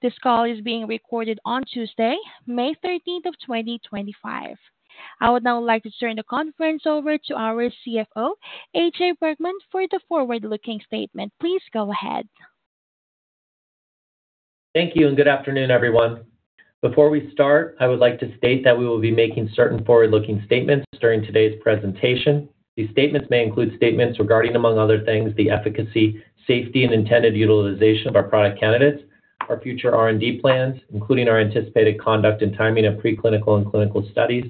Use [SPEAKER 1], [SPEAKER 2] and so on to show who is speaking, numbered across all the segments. [SPEAKER 1] This call is being recorded on Tuesday, May 13th, 2025. I would now like to turn the conference over to our CFO, AJ Bergmann, for the forward-looking statement. Please go ahead.
[SPEAKER 2] Thank you, and good afternoon, everyone. Before we start, I would like to state that we will be making certain forward-looking statements during today's presentation. These statements may include statements regarding, among other things, the efficacy, safety, and intended utilization of our product candidates, our future R&D plans, including our anticipated conduct and timing of preclinical and clinical studies,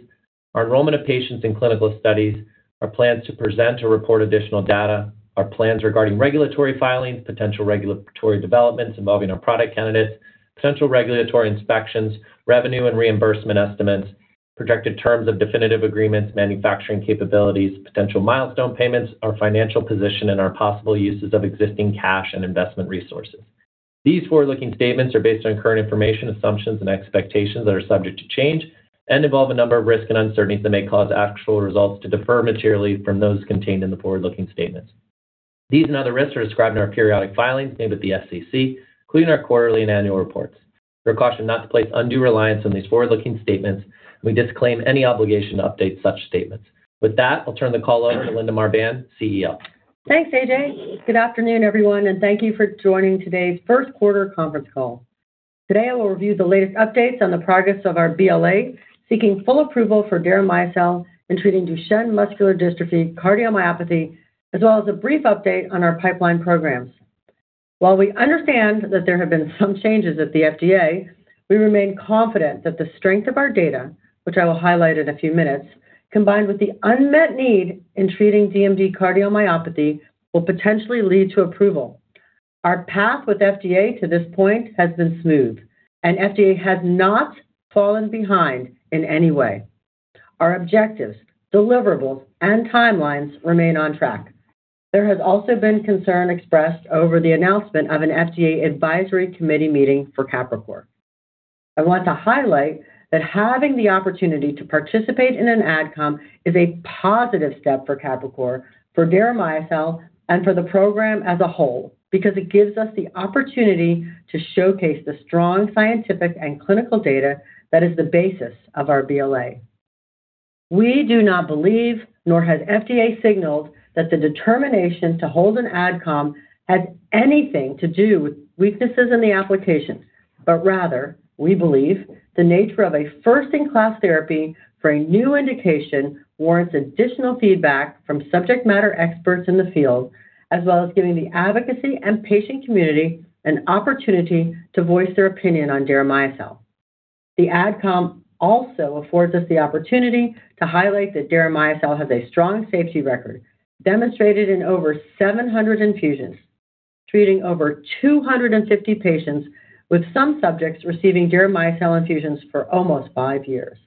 [SPEAKER 2] our enrollment of patients in clinical studies, our plans to present or report additional data, our plans regarding regulatory filings, potential regulatory developments involving our product candidates, potential regulatory inspections, revenue and reimbursement estimates, projected terms of definitive agreements, manufacturing capabilities, potential milestone payments, our financial position, and our possible uses of existing cash and investment resources. These forward-looking statements are based on current information, assumptions, and expectations that are subject to change and involve a number of risks and uncertainties that may cause actual results to differ materially from those contained in the forward-looking statements. These and other risks are described in our periodic filings made with the SEC, including our quarterly and annual reports. We're cautioned not to place undue reliance on these forward-looking statements, and we disclaim any obligation to update such statements. With that, I'll turn the call over to Linda Marbán, CEO.
[SPEAKER 3] Thanks, AJ. Good afternoon, everyone, and thank you for joining today's First quarter conference call. Today, I will review the latest updates on the progress of our BLA seeking full approval for deramiocel in treating Duchenne muscular dystrophy, cardiomyopathy, as well as a brief update on our pipeline programs. While we understand that there have been some changes at the FDA, we remain confident that the strength of our data, which I will highlight in a few minutes, combined with the unmet need in treating DMD cardiomyopathy, will potentially lead to approval. Our path with FDA to this point has been smooth, and FDA has not fallen behind in any way. Our objectives, deliverables, and timelines remain on track. There has also been concern expressed over the announcement of an FDA advisory committee meeting for Capricor. I want to highlight that having the opportunity to participate in an Adcom is a positive step for Capricor, for deramiocel, and for the program as a whole because it gives us the opportunity to showcase the strong scientific and clinical data that is the basis of our BLA. We do not believe, nor has FDA signaled, that the determination to hold an Adcom has anything to do with weaknesses in the application, but rather, we believe the nature of a first-in-class therapy for a new indication warrants additional feedback from subject matter experts in the field, as well as giving the advocacy and patient community an opportunity to voice their opinion on deramiocel. The Adcom also affords us the opportunity to highlight that deramiocel has a strong safety record, demonstrated in over 700 infusions, treating over 250 patients, with some subjects receiving deramiocel infusions for almost five years.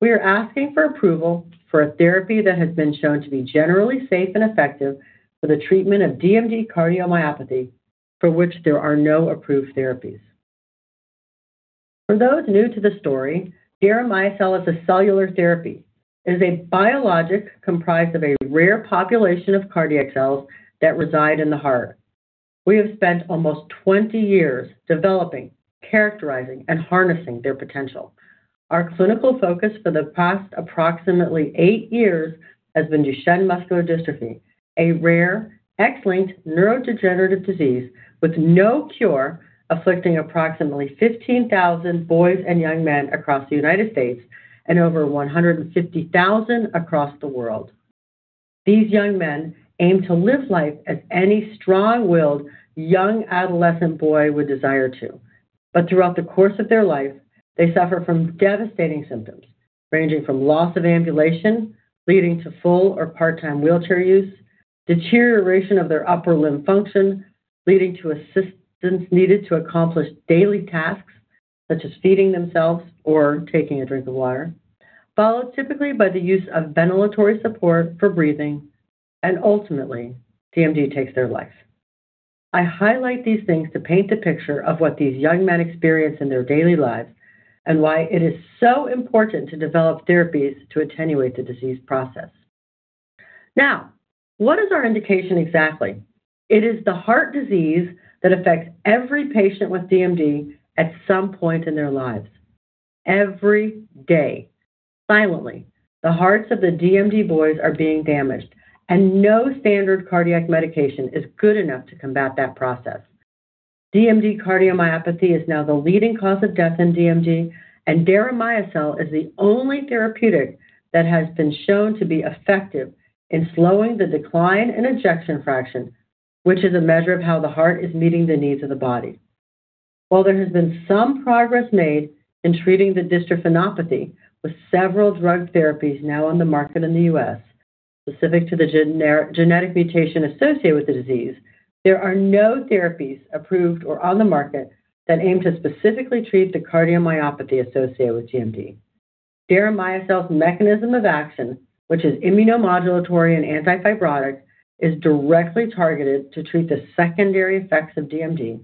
[SPEAKER 3] We are asking for approval for a therapy that has been shown to be generally safe and effective for the treatment of DMD cardiomyopathy, for which there are no approved therapies. For those new to the story, deramiocel is a cellular therapy. It is a biologic comprised of a rare population of cardiac cells that reside in the heart. We have spent almost 20 years developing, characterizing, and harnessing their potential. Our clinical focus for the past approximately eight years has been Duchenne muscular dystrophy, a rare, X-linked neurodegenerative disease with no cure, afflicting approximately 15,000 boys and young men across the United States and over 150,000 across the world. These young men aim to live life as any strong-willed young adolescent boy would desire to, but throughout the course of their life, they suffer from devastating symptoms ranging from loss of ambulation, leading to full or part-time wheelchair use, deterioration of their upper limb function, leading to assistance needed to accomplish daily tasks such as feeding themselves or taking a drink of water, followed typically by the use of ventilatory support for breathing, and ultimately, DMD takes their life. I highlight these things to paint the picture of what these young men experience in their daily lives and why it is so important to develop therapies to attenuate the disease process. Now, what is our indication exactly? It is the heart disease that affects every patient with DMD at some point in their lives. Every day, silently, the hearts of the DMD boys are being damaged, and no standard cardiac medication is good enough to combat that process. DMD cardiomyopathy is now the leading cause of death in DMD, and deramiocel is the only therapeutic that has been shown to be effective in slowing the decline in ejection fraction, which is a measure of how the heart is meeting the needs of the body. While there has been some progress made in treating the dystrophinopathy with several drug therapies now on the market in the US specific to the genetic mutation associated with the disease, there are no therapies approved or on the market that aim to specifically treat the cardiomyopathy associated with DMD. Deramiocel's mechanism of action, which is immunomodulatory and anti-fibrotic, is directly targeted to treat the secondary effects of DMD,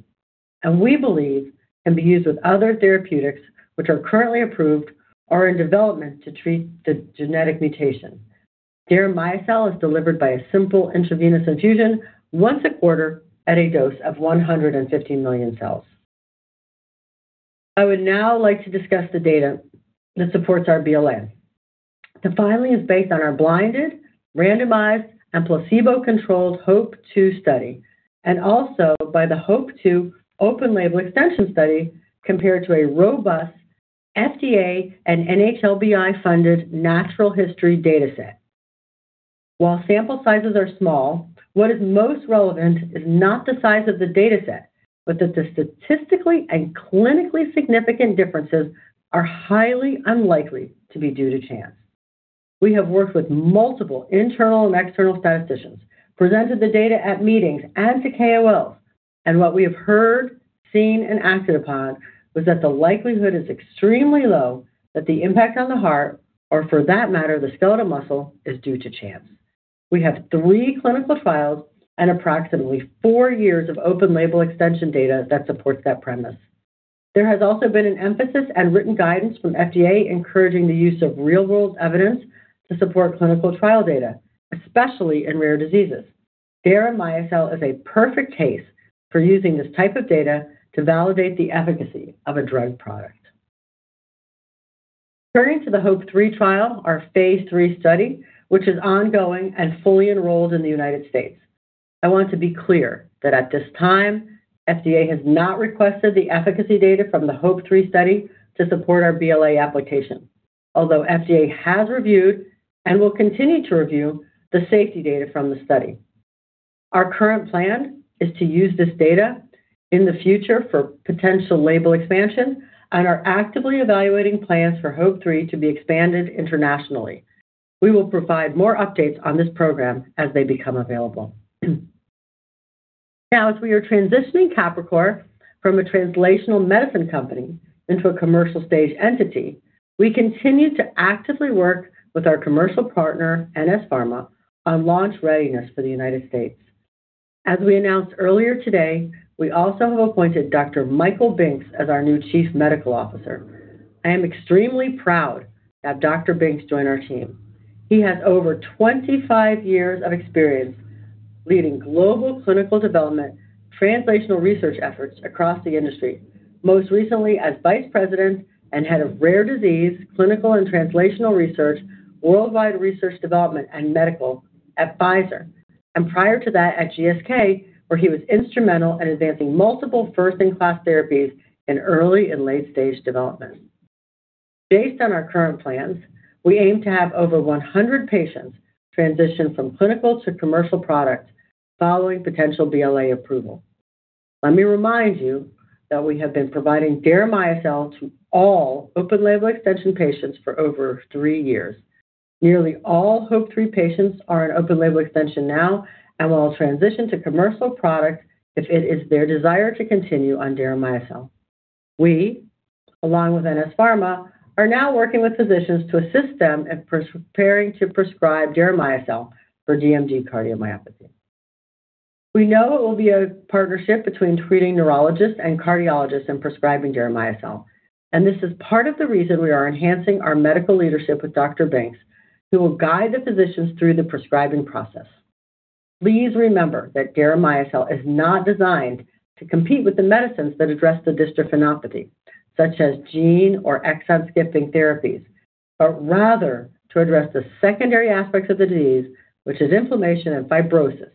[SPEAKER 3] and we believe can be used with other therapeutics which are currently approved or in development to treat the genetic mutation. Deramiocel is delivered by a simple intravenous infusion once a quarter at a dose of 150 million cells. I would now like to discuss the data that supports our BLA. The finding is based on our blinded, randomized, and placebo-controlled HOPE-2 study, and also by the HOPE-2 open-label extension study compared to a robust FDA and NHLBI-funded natural history dataset. While sample sizes are small, what is most relevant is not the size of the dataset, but that the statistically and clinically significant differences are highly unlikely to be due to chance. We have worked with multiple internal and external statisticians, presented the data at meetings, and to KOLs, and what we have heard, seen, and acted upon was that the likelihood is extremely low that the impact on the heart, or for that matter, the skeletal muscle, is due to chance. We have three clinical trials and approximately four years of open-label extension data that supports that premise. There has also been an emphasis and written guidance from FDA encouraging the use of real-world evidence to support clinical trial data, especially in rare diseases. Deramiocel is a perfect case for using this type of data to validate the efficacy of a drug product. Turning to the HOPE-3 trial, our phase III study, which is ongoing and fully enrolled in the United States. I want to be clear that at this time, FDA has not requested the efficacy data from the HOPE-3 study to support our BLA application, although FDA has reviewed and will continue to review the safety data from the study. Our current plan is to use this data in the future for potential label expansion and are actively evaluating plans for HOPE-3 to be expanded internationally. We will provide more updates on this program as they become available. Now, as we are transitioning Capricor from a translational medicine company into a commercial stage entity, we continue to actively work with our commercial partner, NS Pharma, on launch readiness for the United States. As we announced earlier today, we also have appointed Dr. Michael Binks as our new Chief Medical Officer. I am extremely proud to have Dr. Binks join our team. He has over 25 years of experience leading global clinical development translational research efforts across the industry, most recently as Vice President and Head of Rare Disease Clinical and Translational Research, Worldwide Research Development, and Medical at Pfizer, and prior to that at GSK, where he was instrumental in advancing multiple first-in-class therapies in early and late-stage development. Based on our current plans, we aim to have over 100 patients transition from clinical to commercial products following potential BLA approval. Let me remind you that we have been providing deramiocel to all open-label extension patients for over three years. Nearly all HOPE-3 patients are in open-label extension now and will transition to commercial products if it is their desire to continue on deramiocel. We, along with NS Pharma, are now working with physicians to assist them in preparing to prescribe deramiocel for DMD cardiomyopathy. We know it will be a partnership between treating neurologists and cardiologists in prescribing deramiocel, and this is part of the reason we are enhancing our medical leadership with Dr. Binks, who will guide the physicians through the prescribing process. Please remember that deramiocel is not designed to compete with the medicines that address the dystrophinopathy, such as gene or exon-skipping therapies, but rather to address the secondary aspects of the disease, which is inflammation and fibrosis,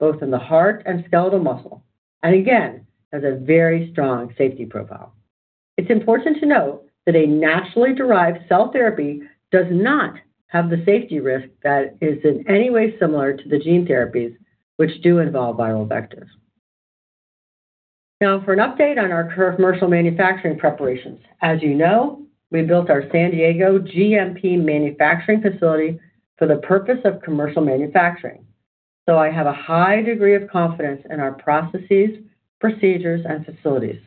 [SPEAKER 3] both in the heart and skeletal muscle, and again, has a very strong safety profile. It's important to note that a naturally derived cell therapy does not have the safety risk that is in any way similar to the gene therapies, which do involve viral vectors. Now, for an update on our commercial manufacturing preparations, as you know, we built our San Diego GMP manufacturing facility for the purpose of commercial manufacturing, so I have a high degree of confidence in our processes, procedures, and facilities.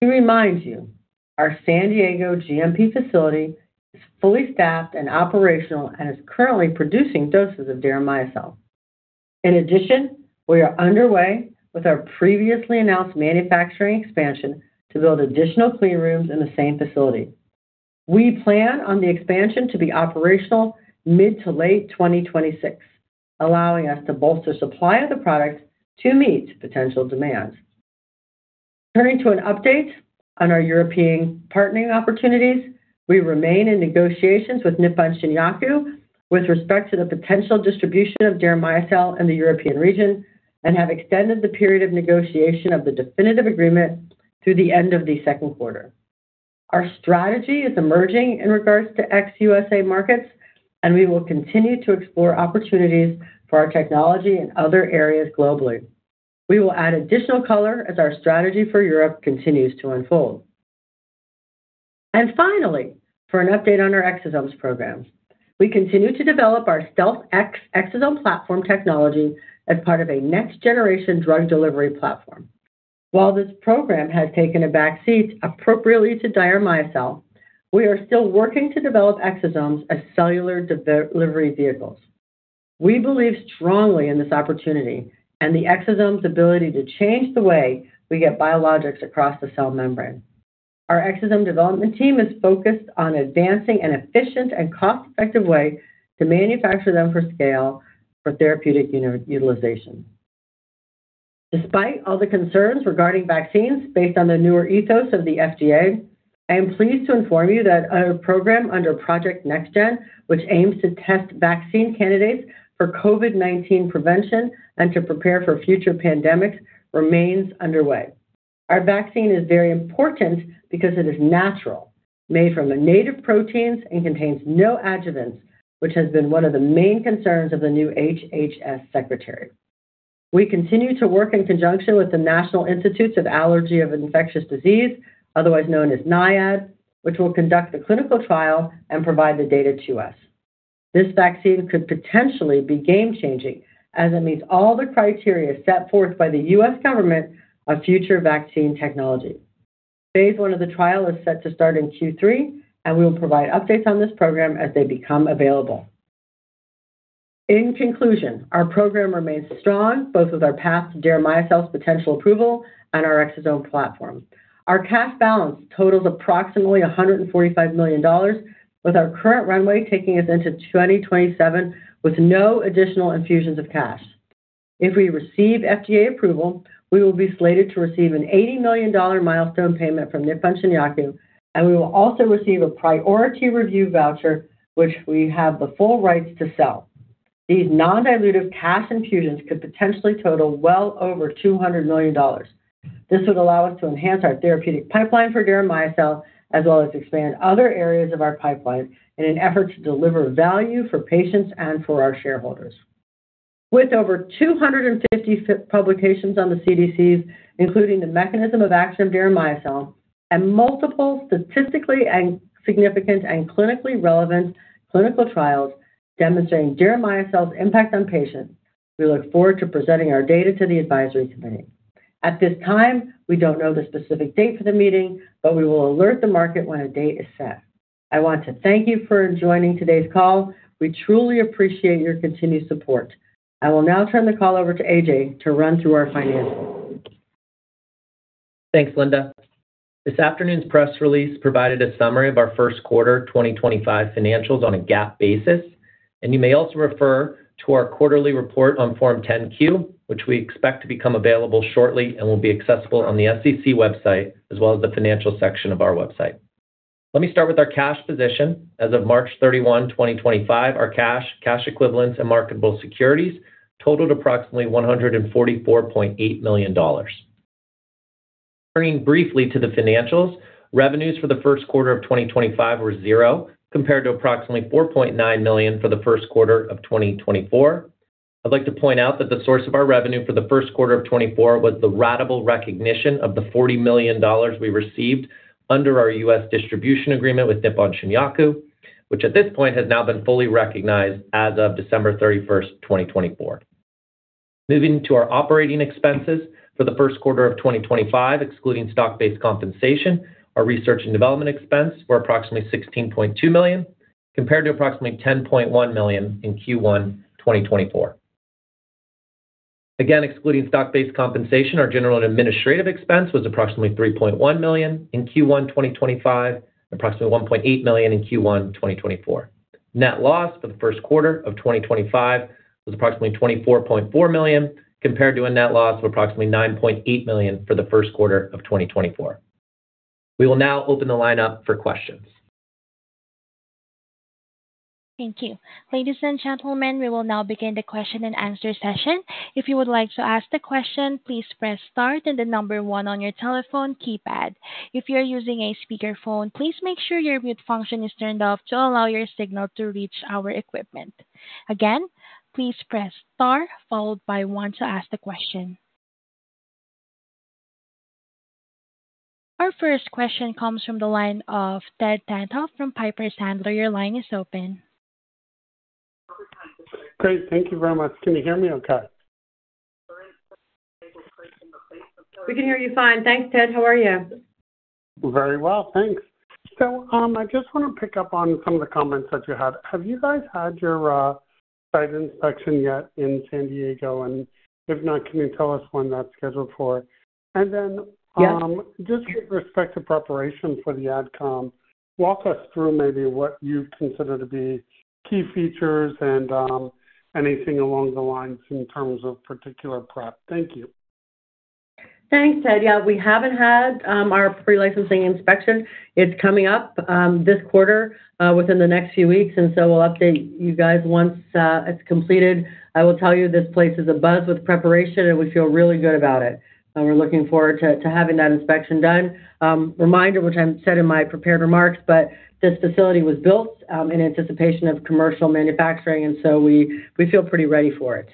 [SPEAKER 3] To remind you, our San Diego GMP facility is fully staffed and operational and is currently producing doses of deramiocel. In addition, we are underway with our previously announced manufacturing expansion to build additional clean rooms in the same facility. We plan on the expansion to be operational mid to late 2026, allowing us to bolster supply of the product to meet potential demands. Turning to an update on our European partnering opportunities, we remain in negotiations with Nippon Shinyaku with respect to the potential distribution of deramiocel in the European region and have extended the period of negotiation of the definitive agreement through the end of the second quarter. Our strategy is emerging in regards to ex-US markets, and we will continue to explore opportunities for our technology in other areas globally. We will add additional color as our strategy for Europe continues to unfold. Finally, for an update on our exosomes program, we continue to develop our Stealth Exosome Platform technology as part of a next generation drug delivery platform. While this program has taken a backseat appropriately to deramiocel, we are still working to develop exosomes as cellular delivery vehicles. We believe strongly in this opportunity and the exosomes' ability to change the way we get biologics across the cell membrane. Our exosome development team is focused on advancing an efficient and cost-effective way to manufacture them for scale for therapeutic utilization. Despite all the concerns regarding vaccines based on the newer ethos of the FDA, I am pleased to inform you that our program under Project NextGen, which aims to test vaccine candidates for COVID-19 prevention and to prepare for future pandemics, remains underway. Our vaccine is very important because it is natural, made from innate proteins, and contains no adjuvants, which has been one of the main concerns of the new HHS Secretary. We continue to work in conjunction with the National Institute of Allergy and Infectious Diseases, otherwise known as NIAID, which will conduct the clinical trial and provide the data to us. This vaccine could potentially be game-changing as it meets all the criteria set forth by the U.S. government of future vaccine technology. Phase one of the trial is set to start in Q3, and we will provide updates on this program as they become available. In conclusion, our program remains strong both with our path to deramiocel's potential approval and our exosome platform. Our cash balance totals approximately $145 million, with our current runway taking us into 2027 with no additional infusions of cash. If we receive FDA approval, we will be slated to receive an $80 million milestone payment from Nippon Shinyaku, and we will also receive a priority review voucher, which we have the full rights to sell. These non-dilutive cash infusions could potentially total well over $200 million. This would allow us to enhance our therapeutic pipeline for deramiocel as well as expand other areas of our pipeline in an effort to deliver value for patients and for our shareholders. With over 250 publications on the CDCs, including the mechanism of action of deramiocel and multiple statistically significant and clinically relevant clinical trials demonstrating deramiocel's impact on patients, we look forward to presenting our data to the advisory committee. At this time, we don't know the specific date for the meeting, but we will alert the market when a date is set. I want to thank you for joining today's call. We truly appreciate your continued support. I will now turn the call over to AJ to run through our financials.
[SPEAKER 2] Thanks, Linda. This afternoon's press release provided a summary of our first quarter 2025 financials on a GAAP basis, and you may also refer to our quarterly report on Form 10Q, which we expect to become available shortly and will be accessible on the SEC website as well as the financials section of our website. Let me start with our cash position. As of March 31, 2025, our cash, cash equivalents, and marketable securities totaled approximately $144.8 million. Turning briefly to the financials, revenues for the first quarter of 2025 were zero compared to approximately $4.9 million for the First quarter of 2024. I'd like to point out that the source of our revenue for the First quarter of 2024 was the ratable recognition of the $40 million we received under our U.S. distribution agreement with Nippon Shinyaku, which at this point has now been fully recognized as of December 31st, 2024. Moving to our operating expenses for the First quarter of 2025, excluding stock-based compensation, our research and development expense were approximately 16.2 million compared to approximately 10.1 million in Q1 2024. Again, excluding stock-based compensation, our general and administrative expense was approximately 3.1 million in Q1 2025, approximately 1.8 million in Q1 2024. Net loss for the First quarter of 2025 was approximately 24.4 million compared to a net loss of approximately 9.8 million for the First quarter of 2024. We will now open the line up for questions.
[SPEAKER 1] Thank you. Ladies and gentlemen, we will now begin the question and answer session. If you would like to ask a question, please press star and the number one on your telephone keypad. If you're using a speakerphone, please make sure your mute function is turned off to allow your signal to reach our equipment. Again, please press star, followed by one to ask the question. Our first question comes from the line of Ted Tenthoff from Piper Sandler. Your line is open.
[SPEAKER 4] Great. Thank you very much. Can you hear me okay?
[SPEAKER 3] We can hear you fine. Thanks Ted. How are you?
[SPEAKER 4] Very well. Thanks. I just want to pick up on some of the comments that you had. Have you guys had your site inspection yet in San Diego? If not, can you tell us when that is scheduled for? Just with respect to preparation for the Adcom, walk us through maybe what you consider to be key features and anything along the lines in terms of particular prep. Thank you.
[SPEAKER 3] Thanks, Ted. Yeah, we haven't had our pre-licensing inspection. It's coming up this quarter within the next few weeks, and so we'll update you guys once it's completed. I will tell you this place is abuzz with preparation, and we feel really good about it. We're looking forward to having that inspection done. Reminder, which I said in my prepared remarks, but this facility was built in anticipation of commercial manufacturing, and so we feel pretty ready for it.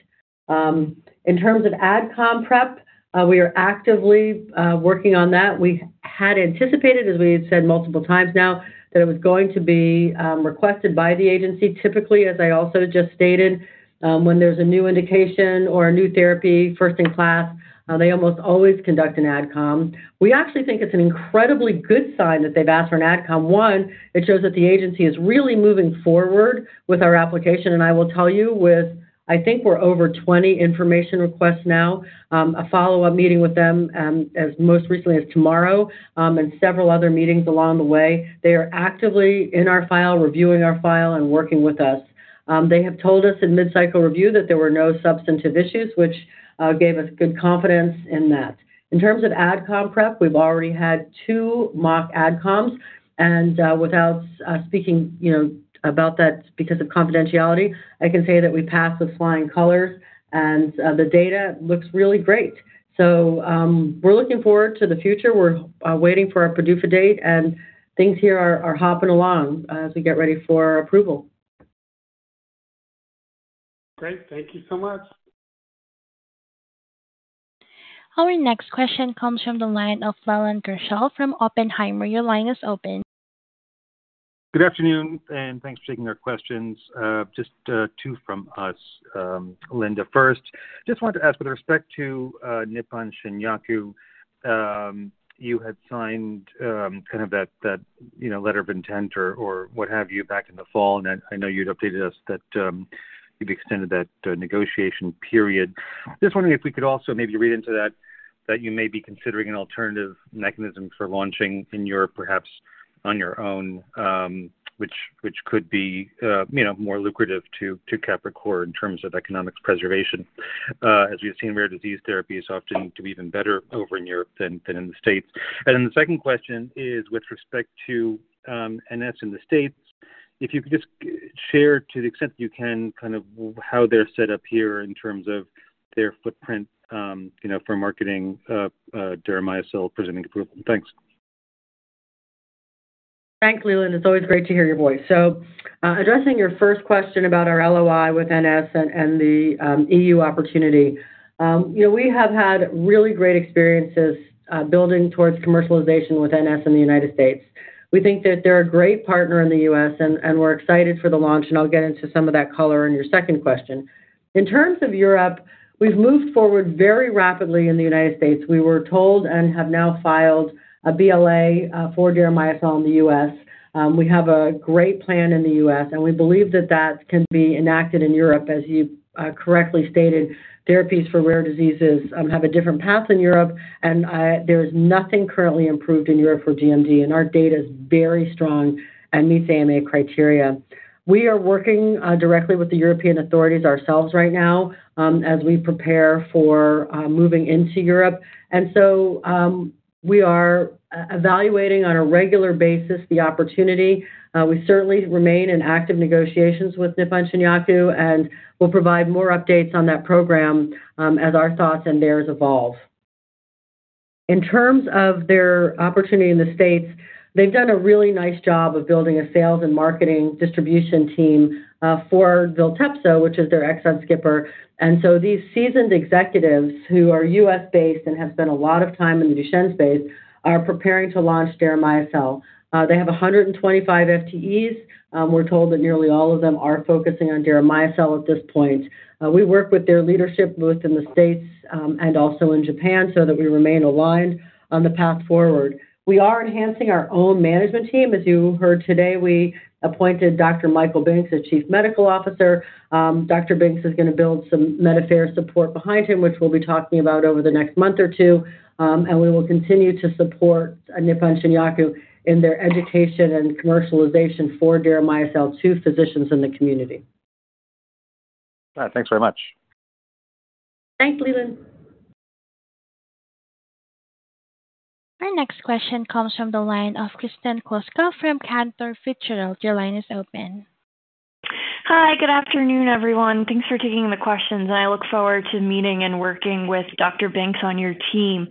[SPEAKER 3] In terms of Adcom prep, we are actively working on that. We had anticipated, as we had said multiple times now, that it was going to be requested by the agency. Typically, as I also just stated, when there's a new indication or a new therapy, first-in-class, they almost always conduct an Adcom. We actually think it's an incredibly good sign that they've asked for an Adcom. One, it shows that the agency is really moving forward with our application. And I will tell you, with, I think, we're over 20 information requests now, a follow-up meeting with them as most recently as tomorrow, and several other meetings along the way. They are actively in our file, reviewing our file, and working with us. They have told us in mid-cycle review that there were no substantive issues, which gave us good confidence in that. In terms of Adcom prep, we've already had two mock Adcoms. And without speaking about that because of confidentiality, I can say that we passed with flying colors, and the data looks really great. So we're looking forward to the future. We're waiting for our PDUFA date, and things here are hopping along as we get ready for approval.
[SPEAKER 4] Great. Thank you so much.
[SPEAKER 1] Our next question comes from the line of Leland Gershell from Oppenheimer. Your line is open.
[SPEAKER 5] Good afternoon, and thanks for taking our questions. Just two from us, Linda. First, just wanted to ask with respect to Nippon Shinyaku, you had signed kind of that letter of intent or what have you back in the fall, and I know you'd updated us that you've extended that negotiation period. Just wondering if we could also maybe read into that, that you may be considering an alternative mechanism for launching in Europe, perhaps on your own, which could be more lucrative to Capricor in terms of economic preservation. As we've seen, rare disease therapies often do even better over in Europe than in the States. The second question is with respect to NS in the States, if you could just share to the extent that you can kind of how they're set up here in terms of their footprint for marketing deramiocel presenting approval. Thanks.
[SPEAKER 3] Thanks, Leland. It's always great to hear your voice. Addressing your first question about our LOI with NS and the EU opportunity, we have had really great experiences building towards commercialization with NS in the United States. We think that they're a great partner in the US, and we're excited for the launch, and I'll get into some of that color in your second question. In terms of Europe, we've moved forward very rapidly in the United States. We were told and have now filed a BLA for deramiocel in the US. We have a great plan in the U.S., and we believe that that can be enacted in Europe. As you correctly stated, therapies for rare diseases have a different path in Europe, and there is nothing currently approved in Europe for DMD, and our data is very strong and meets EMA criteria. We are working directly with the European authorities ourselves right now as we prepare for moving into Europe. We are evaluating on a regular basis the opportunity. We certainly remain in active negotiations with Nippon Shinyaku, and we will provide more updates on that program as our thoughts and theirs evolve. In terms of their opportunity in the States, they have done a really nice job of building a sales and marketing distribution team for Viltepso, which is their exon skipper. These seasoned executives who are U.S.-based and have spent a lot of time in the Duchenne space are preparing to launch deramiocel. They have 125 FTEs. We are told that nearly all of them are focusing on deramiocel at this point. We work with their leadership both in the States and also in Japan so that we remain aligned on the path forward. We are enhancing our own management team. As you heard today, we appointed Dr. Michael Binks as Chief Medical Officer. Dr. Binks is going to build some Medicare support behind him, which we'll be talking about over the next month or two, and we will continue to support Nippon Shinyaku in their education and commercialization for deramiocel to physicians in the community.
[SPEAKER 5] Thanks very much.
[SPEAKER 3] Thanks Leland.
[SPEAKER 1] Our next question comes from the line of Kristen Kluska from Cantor Fitzgerald. Your line is open.
[SPEAKER 6] Hi, good afternoon, everyone. Thanks for taking the questions. I look forward to meeting and working with Dr. Binks on your team.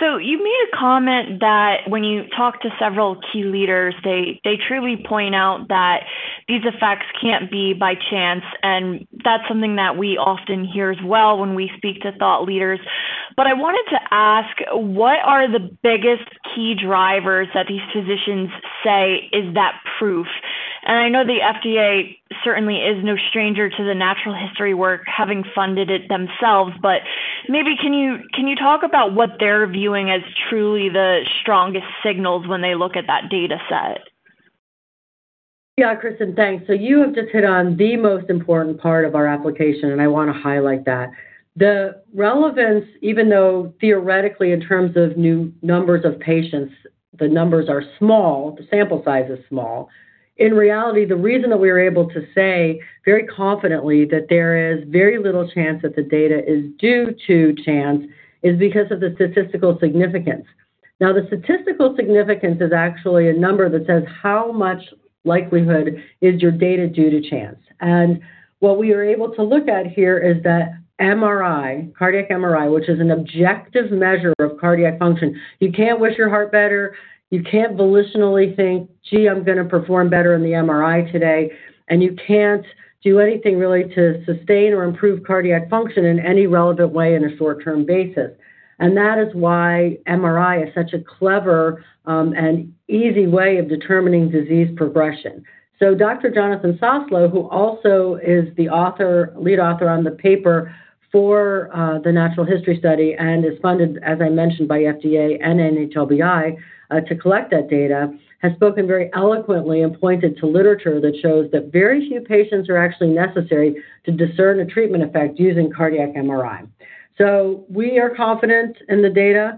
[SPEAKER 6] You made a comment that when you talk to several key leaders, they truly point out that these effects can't be by chance, and that's something that we often hear as well when we speak to thought leaders. I wanted to ask, what are the biggest key drivers that these physicians say is that proof? I know the FDA certainly is no stranger to the natural history work, having funded it themselves, but maybe can you talk about what they're viewing as truly the strongest signals when they look at that data set?
[SPEAKER 3] Yeah, Kristen, thanks. You have just hit on the most important part of our application, and I want to highlight that. The relevance, even though theoretically in terms of new numbers of patients, the numbers are small, the sample size is small. In reality, the reason that we were able to say very confidently that there is very little chance that the data is due to chance is because of the statistical significance. Now, the statistical significance is actually a number that says how much likelihood is your data due to chance. What we are able to look at here is that MRI, cardiac MRI, which is an objective measure of cardiac function. You can't wish your heart better. You can't volitionally think, "Gee, I'm going to perform better in the MRI today," and you can't do anything really to sustain or improve cardiac function in any relevant way in a short-term basis. That is why MRI is such a clever and easy way of determining disease progression. Dr. Jonathan Soslow, who also is the lead author on the paper for the natural history study and is funded, as I mentioned, by FDA and NHLBI to collect that data, has spoken very eloquently and pointed to literature that shows that very few patients are actually necessary to discern a treatment effect using cardiac MRI. We are confident in the data.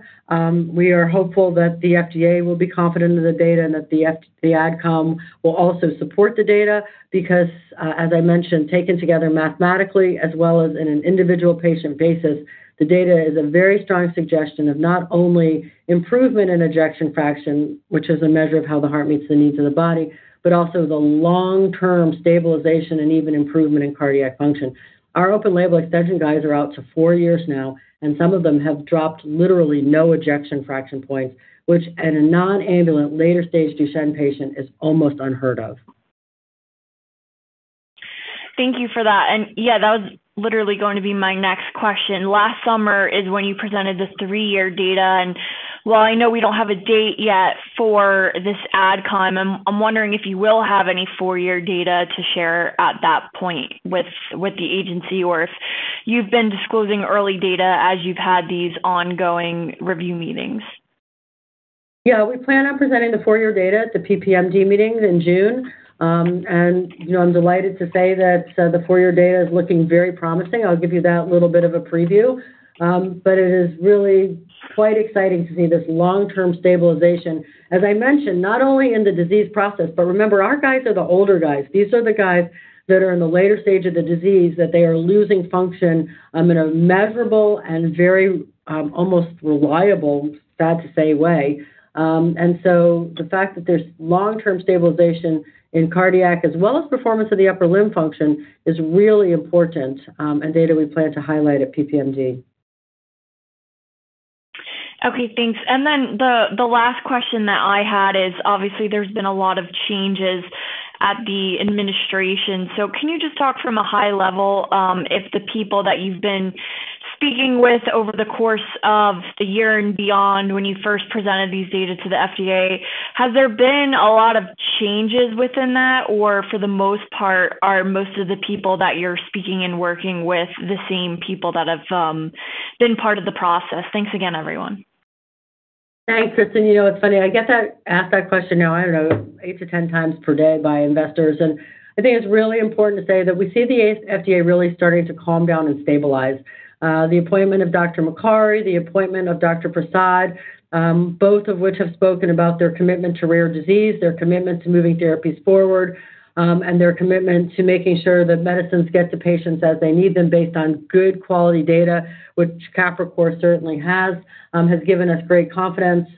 [SPEAKER 3] We are hopeful that the FDA will be confident in the data and that the Adcom will also support the data because, as I mentioned, taken together mathematically as well as in an individual patient basis, the data is a very strong suggestion of not only improvement in ejection fraction, which is a measure of how the heart meets the needs of the body, but also the long-term stabilization and even improvement in cardiac function. Our open-label extension guys are out to four years now, and some of them have dropped literally no ejection fraction points, which in a non-ambulant, later-stage Duchenne patient is almost unheard of.
[SPEAKER 6] Thank you for that. Yeah, that was literally going to be my next question. Last summer is when you presented the three-year data. While I know we do not have a date yet for this Adcom, I am wondering if you will have any four-year data to share at that point with the agency or if you have been disclosing early data as you have had these ongoing review meetings.
[SPEAKER 3] Yeah, we plan on presenting the four-year data at the PPMD meeting in June. I'm delighted to say that the four-year data is looking very promising. I'll give you that little bit of a preview. It is really quite exciting to see this long-term stabilization. As I mentioned, not only in the disease process, but remember, our guys are the older guys. These are the guys that are in the later stage of the disease that they are losing function in a measurable and very almost reliable, sad to say, way. The fact that there's long-term stabilization in cardiac as well as performance of the upper limb function is really important and data we plan to highlight at PPMD.
[SPEAKER 6] Okay, thanks. The last question that I had is obviously there's been a lot of changes at the administration. Can you just talk from a high level if the people that you've been speaking with over the course of the year and beyond when you first presented these data to the FDA, has there been a lot of changes within that or for the most part are most of the people that you're speaking and working with the same people that have been part of the process? Thanks again, everyone.
[SPEAKER 3] Thanks, Kristen. You know, it's funny. I get to ask that question now, I don't know, eight to ten times per day by investors. I think it's really important to say that we see the FDA really starting to calm down and stabilize. The appointment of Dr. Makary, the appointment of Dr. Prasad, both of which have spoken about their commitment to rare disease, their commitment to moving therapies forward, and their commitment to making sure that medicines get to patients as they need them based on good quality data, which Capricor certainly has, has given us great confidence.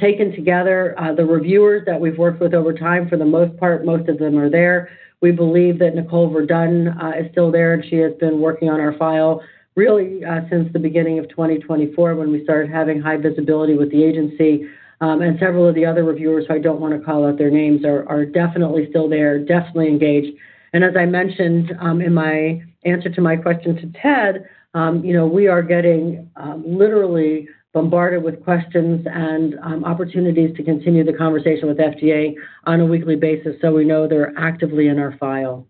[SPEAKER 3] Taken together, the reviewers that we've worked with over time, for the most part, most of them are there. We believe that Nicole Verdun is still there, and she has been working on our file really since the beginning of 2024 when we started having high visibility with the agency. Several of the other reviewers, who I do not want to call out their names, are definitely still there, definitely engaged. As I mentioned in my answer to my question to Ted, we are getting literally bombarded with questions and opportunities to continue the conversation with the FDA on a weekly basis. We know they are actively in our file.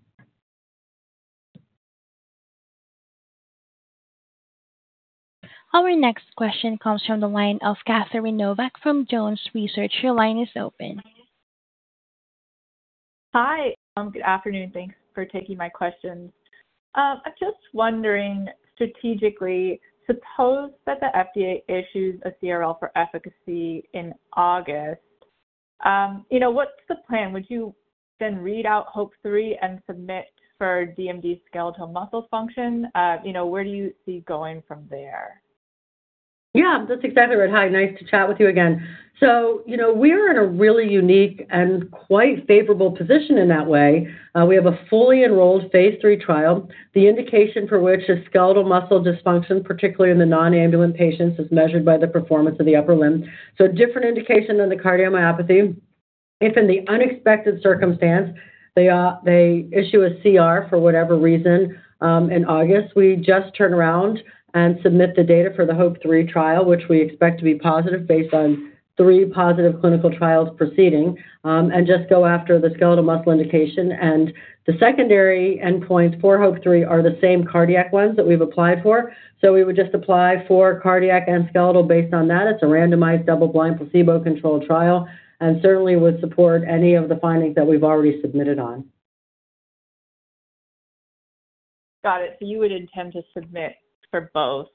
[SPEAKER 1] Our next question comes from the line of Catherine Novack from Jones Research. Your line is open.
[SPEAKER 7] Hi, good afternoon. Thanks for taking my questions. I'm just wondering strategically, suppose that the FDA issues a CRL for efficacy in August, what's the plan? Would you then read out HOPE-3 and submit for DMD skeletal muscle function? Where do you see going from there?
[SPEAKER 3] Yeah, that's exactly right. Hi, nice to chat with you again. We are in a really unique and quite favorable position in that way. We have a fully enrolled phase III trial, the indication for which is skeletal muscle dysfunction, particularly in the non-ambulant patients, as measured by the performance of the upper limb. Different indication than the cardiomyopathy. If in the unexpected circumstance, they issue a CRL for whatever reason in August, we just turn around and submit the data for the HOPE-3 trial, which we expect to be positive based on three positive clinical trials preceding, and just go after the skeletal muscle indication. The secondary endpoints for HOPE-3 are the same cardiac ones that we've applied for. We would just apply for cardiac and skeletal based on that. It's a randomized double-blind placebo-controlled trial, and certainly would support any of the findings that we've already submitted on.
[SPEAKER 7] Got it. So you would intend to submit for both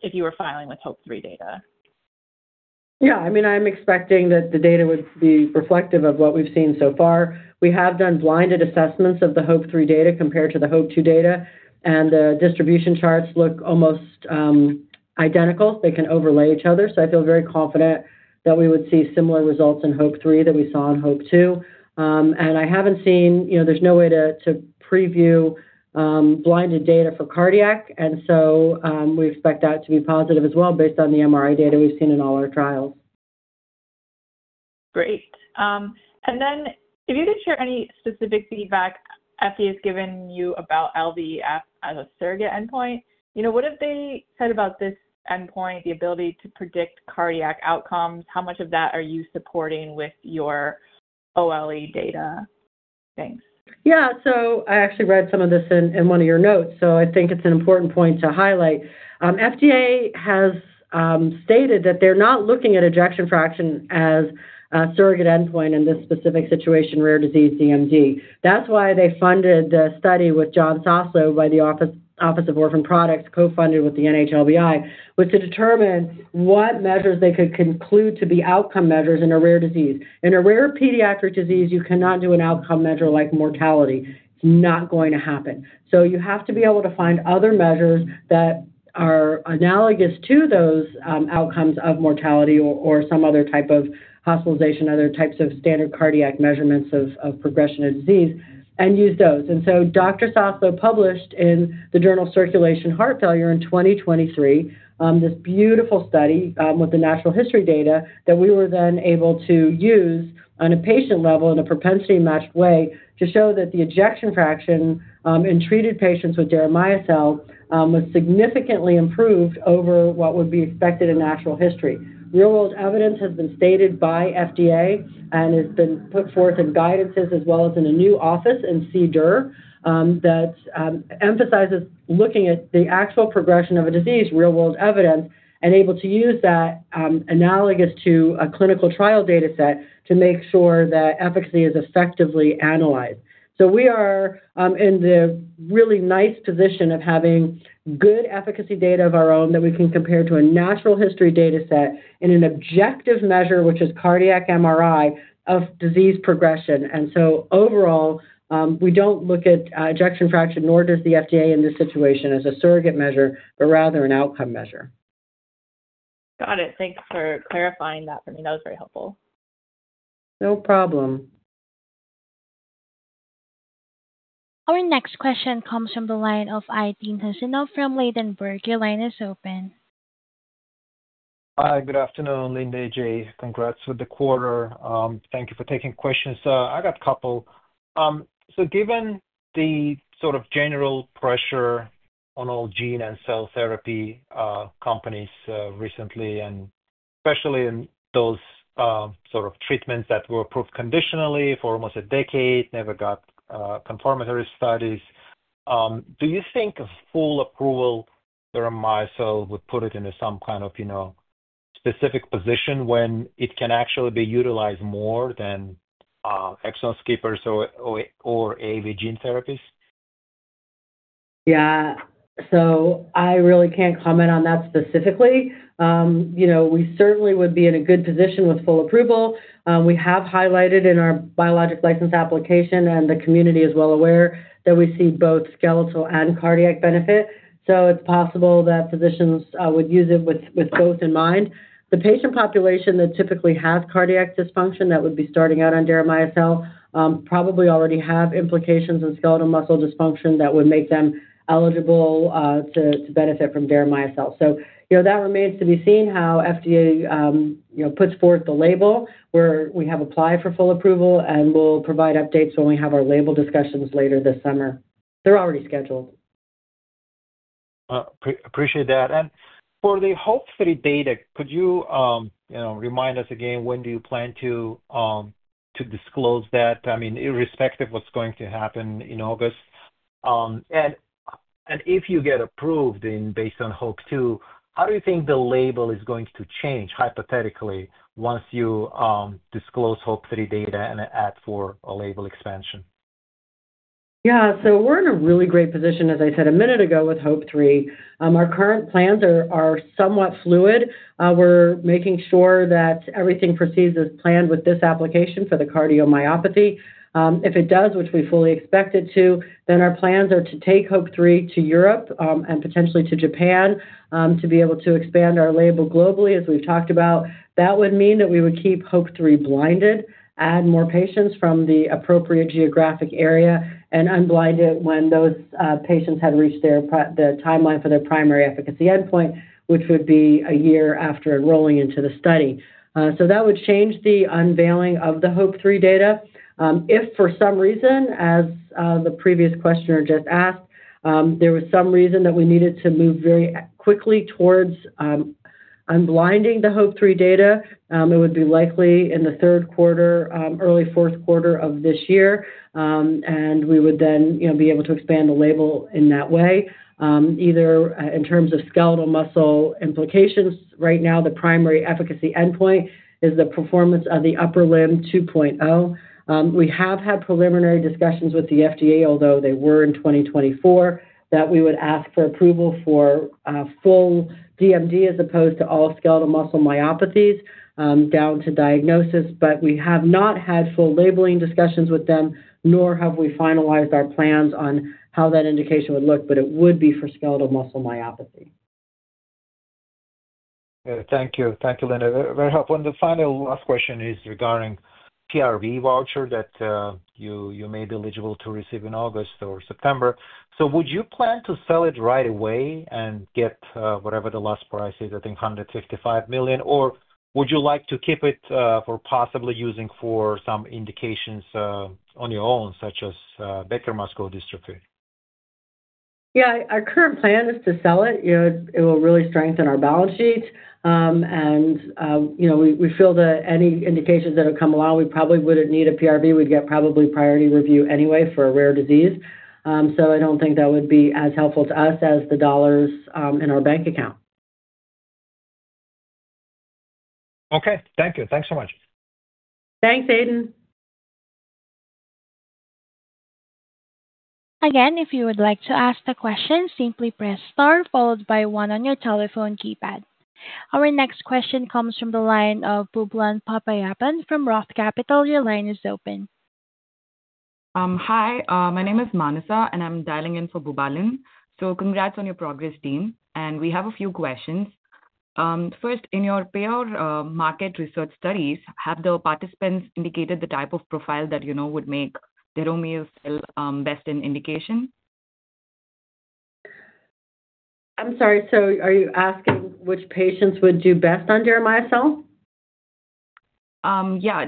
[SPEAKER 7] if you were filing with HOPE-3 data?
[SPEAKER 3] Yeah, I mean, I'm expecting that the data would be reflective of what we've seen so far. We have done blinded assessments of the HOPE-3 data compared to the HOPE-2 data, and the distribution charts look almost identical. They can overlay each other. I feel very confident that we would see similar results in HOPE-3 that we saw in HOPE-2. I haven't seen, there's no way to preview blinded data for cardiac, and we expect that to be positive as well based on the MRI data we've seen in all our trials.
[SPEAKER 7] Great. If you could share any specific feedback FDA has given you about LVF as a surrogate endpoint, what have they said about this endpoint, the ability to predict cardiac outcomes? How much of that are you supporting with your OLE data? Thanks.
[SPEAKER 3] Yeah, so I actually read some of this in one of your notes, so I think it's an important point to highlight. FDA has stated that they're not looking at ejection fraction as a surrogate endpoint in this specific situation, rare disease DMD. That's why they funded the study with John Soslow by the Office of Orphan Products, co-funded with the NHLBI, was to determine what measures they could conclude to be outcome measures in a rare disease. In a rare pediatric disease, you cannot do an outcome measure like mortality. It's not going to happen. You have to be able to find other measures that are analogous to those outcomes of mortality or some other type of hospitalization, other types of standard cardiac measurements of progression of disease, and use those. And so Dr. Soslow published in the Journal of Circulation Heart Failure in 2023 this beautiful study with the natural history data that we were then able to use on a patient level in a propensity-matched way to show that the ejection fraction in treated patients with deramiocel was significantly improved over what would be expected in natural history. Real-world evidence has been stated by FDA and has been put forth in guidances as well as in a new office in CDER that emphasizes looking at the actual progression of a disease, real-world evidence, and able to use that analogous to a clinical trial data set to make sure that efficacy is effectively analyzed. We are in the really nice position of having good efficacy data of our own that we can compare to a natural history data set in an objective measure, which is cardiac MRI, of disease progression. Overall, we do not look at ejection fraction, nor does the FDA in this situation as a surrogate measure, but rather an outcome measure.
[SPEAKER 7] Got it. Thanks for clarifying that for me. That was very helpful.
[SPEAKER 3] No problem.
[SPEAKER 1] Our next question comes from the line of Aydin Huseynov from Ladenburg. Your line is open.
[SPEAKER 8] Hi, good afternoon, Linda. Congrats with the quarter. Thank you for taking questions. I got a couple. Given the sort of general pressure on all gene and cell therapy companies recently, and especially in those treatments that were approved conditionally for almost a decade, never got confirmatory studies, do you think full approval, deramiocel would put it into some kind of specific position when it can actually be utilized more than exon skippers or AAV gene therapies?
[SPEAKER 3] Yeah, so I really can't comment on that specifically. We certainly would be in a good position with full approval. We have highlighted in our Biologic License Application, and the community is well aware that we see both skeletal and cardiac benefit. It is possible that physicians would use it with both in mind. The patient population that typically has cardiac dysfunction that would be starting out on deramiocel probably already have implications in skeletal muscle dysfunction that would make them eligible to benefit from deramiocel. That remains to be seen how FDA puts forth the label where we have applied for full approval, and we'll provide updates when we have our label discussions later this summer. They're already scheduled.
[SPEAKER 8] Appreciate that. For the HOPE-3 data, could you remind us again when do you plan to disclose that? I mean, irrespective of what's going to happen in August. If you get approved based on HOPE-2, how do you think the label is going to change, hypothetically, once you disclose HOPE-3 data and add for a label expansion?
[SPEAKER 3] Yeah, so we're in a really great position, as I said a minute ago with HOPE-3. Our current plans are somewhat fluid. We're making sure that everything proceeds as planned with this application for the cardiomyopathy. If it does, which we fully expect it to, then our plans are to take HOPE-3 to Europe and potentially to Japan to be able to expand our label globally, as we've talked about. That would mean that we would keep HOPE-3 blinded, add more patients from the appropriate geographic area, and unblind it when those patients had reached the timeline for their primary efficacy endpoint, which would be a year after enrolling into the study. That would change the unveiling of the HOPE-3 data. If for some reason, as the previous questioner just asked, there was some reason that we needed to move very quickly towards unblinding the HOPE-3 data, it would be likely in the third quarter, early fourth quarter of this year, and we would then be able to expand the label in that way, either in terms of skeletal muscle implications. Right now, the primary efficacy endpoint is the Performance of the Upper Limb 2.0. We have had preliminary discussions with the FDA, although they were in 2024, that we would ask for approval for full DMD as opposed to all skeletal muscle myopathies down to diagnosis. We have not had full labeling discussions with them, nor have we finalized our plans on how that indication would look, but it would be for skeletal muscle myopathy.
[SPEAKER 8] Thank you. Thank you, Linda. Very helpful. The final last question is regarding PRV voucher that you may be eligible to receive in August or September. Would you plan to sell it right away and get whatever the last price is, I think $155 million, or would you like to keep it for possibly using for some indications on your own, such as Becker muscular dystrophy?
[SPEAKER 3] Yeah, our current plan is to sell it. It will really strengthen our balance sheet. We feel that any indications that would come along, we probably would not need a PRV. We would get probably priority review anyway for a rare disease. I do not think that would be as helpful to U.S. as the dollars in our bank account.
[SPEAKER 8] Okay. Thank you. Thanks so much.
[SPEAKER 3] Thanks Aidan.
[SPEAKER 1] Again, if you would like to ask a question, simply press star followed by one on your telephone keypad. Our next question comes from the line of Bubalan Papayapan from Roth Capital. Your line is open.
[SPEAKER 9] Hi, my name is Maanasa, and I'm dialing in for Bubalan. Congrats on your progress, team. We have a few questions. First, in your payor market research studies, have the participants indicated the type of profile that you know would make deramiocel best in indication?
[SPEAKER 3] I'm sorry, so are you asking which patients would do best on deramiocel?
[SPEAKER 9] Yeah,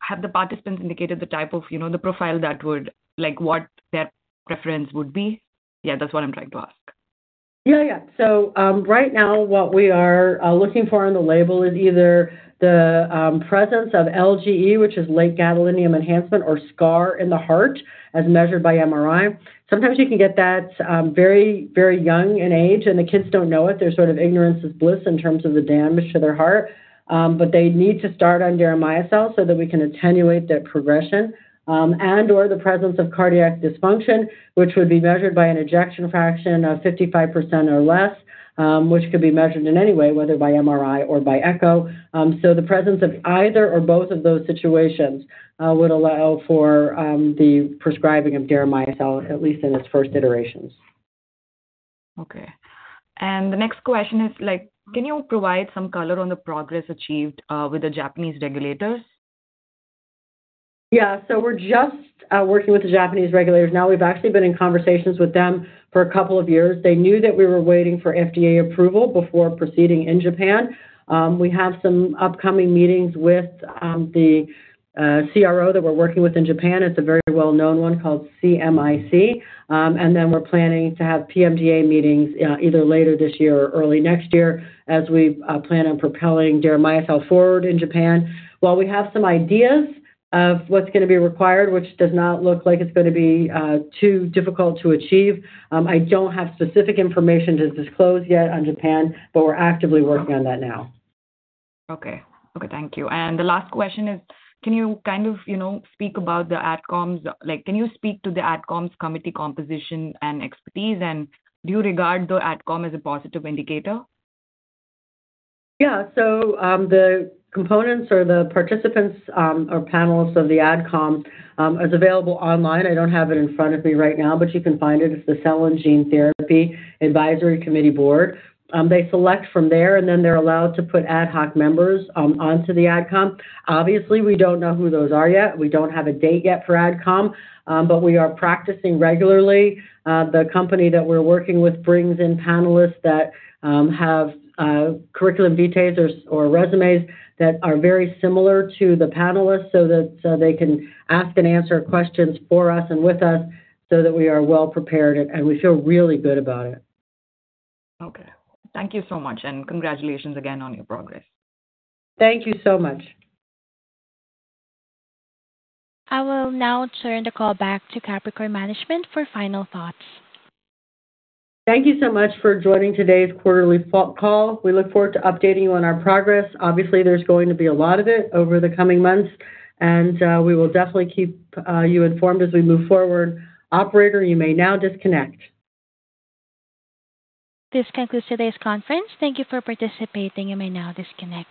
[SPEAKER 9] have the participants indicated the type of the profile that would, what their preference would be? Yeah, that's what I'm trying to ask.
[SPEAKER 3] Yeah, yeah. Right now, what we are looking for in the label is either the presence of LGE, which is late gadolinium enhancement, or scar in the heart as measured by MRI. Sometimes you can get that very, very young in age, and the kids do not know it. Their sort of ignorance is bliss in terms of the damage to their heart. They need to start on deramiocel so that we can attenuate that progression, and/or the presence of cardiac dysfunction, which would be measured by an ejection fraction of 55% or less, which could be measured in any way, whether by MRI or by echo. The presence of either or both of those situations would allow for the prescribing of deramiocel, at least in its first iterations.
[SPEAKER 9] Okay. The next question is, can you provide some color on the progress achieved with the Japanese regulators?
[SPEAKER 3] Yeah, so we're just working with the Japanese regulators. Now, we've actually been in conversations with them for a couple of years. They knew that we were waiting for FDA approval before proceeding in Japan. We have some upcoming meetings with the CRO that we're working with in Japan. It's a very well-known one called CMIC. We are planning to have PMDA meetings either later this year or early next year as we plan on propelling deramiocel forward in Japan. While we have some ideas of what's going to be required, which does not look like it's going to be too difficult to achieve, I don't have specific information to disclose yet on Japan, but we're actively working on that now.
[SPEAKER 9] Okay. Okay, thank you. The last question is, can you kind of speak about the Adcom? Can you speak to the Adcom committee composition and expertise, and do you regard the Adcom as a positive indicator?
[SPEAKER 3] Yeah, so the components or the participants or panels of the Adcom is available online. I don't have it in front of me right now, but you can find it. It's the Cell and Gene Therapy Advisory Committee Board. They select from there, and then they're allowed to put ad hoc members onto the Adcom. Obviously, we don't know who those are yet. We don't have a date yet for Adcom, but we are practicing regularly. The company that we're working with brings in panelists that have curriculum vitaes or resumes that are very similar to the panelists so that they can ask and answer questions for us and with us so that we are well prepared, and we feel really good about it.
[SPEAKER 9] Okay. Thank you so much, and congratulations again on your progress.
[SPEAKER 3] Thank you so much.
[SPEAKER 1] I will now turn the call back to Capricor management for final thoughts.
[SPEAKER 3] Thank you so much for joining today's quarterly call. We look forward to updating you on our progress. Obviously, there's going to be a lot of it over the coming months, and we will definitely keep you informed as we move forward. Operator, you may now disconnect.
[SPEAKER 1] This concludes today's conference. Thank you for participating. You may now disconnect.